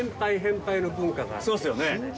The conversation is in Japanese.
そうですよね。